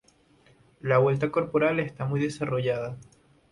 La vuelta corporal está muy desarrollada.